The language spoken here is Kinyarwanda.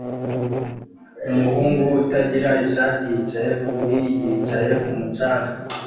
Umuhungu utagira ishati yicaye kuri yicaye kumu canga